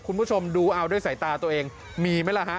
คุณผู้ชมดูเอาด้วยสายตาตัวเองมีไหมล่ะฮะ